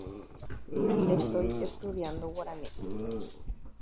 Astudiahína guarani.